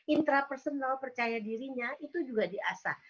intrapersonal percaya dirinya itu juga di asah